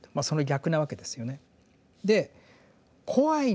その逆なわけですよね。